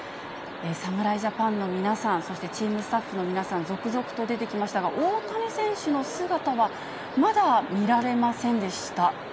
侍ジャパンの皆さん、そしてチームスタッフの皆さん、続々と出てきましたが、大谷選手の姿はまだ見られませんでした。